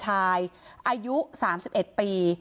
อายุ๓๑ปี